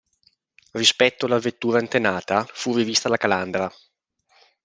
Rispetto alla vettura antenata, fu rivista la calandra.